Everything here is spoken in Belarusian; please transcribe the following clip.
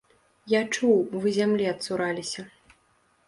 Я чуў, вы зямлі адцураліся.